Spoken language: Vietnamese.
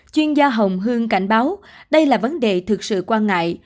chuyên gia hồng hương cảnh báo đây là vấn đề thực sự quan ngại